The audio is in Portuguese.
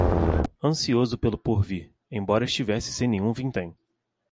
Ansiou pelo porvir, embora estivesse sem nenhum vintém